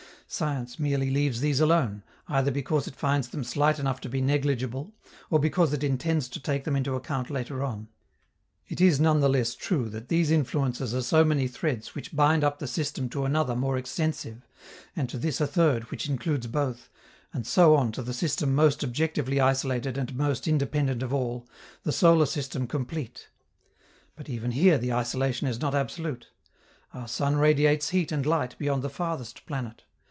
Science merely leaves these alone, either because it finds them slight enough to be negligible, or because it intends to take them into account later on. It is none the less true that these influences are so many threads which bind up the system to another more extensive, and to this a third which includes both, and so on to the system most objectively isolated and most independent of all, the solar system complete. But, even here, the isolation is not absolute. Our sun radiates heat and light beyond the farthest planet.